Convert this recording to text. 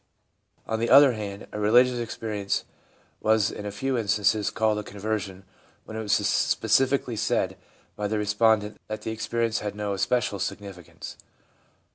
On the other hand, a religious experience was in a few instances called a conversion when it was specifically said by the respondent that the experience had no especial significance.